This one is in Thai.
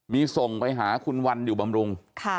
มีส่งไปหาคุณวันอยู่บำรุง